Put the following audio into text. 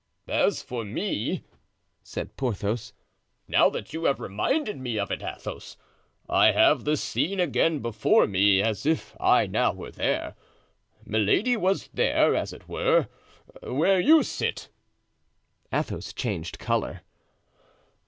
"As for me," said Porthos, "now that you have reminded me of it, Athos, I have the scene again before me, as if I now were there. Milady was there, as it were, where you sit." (Athos changed color.)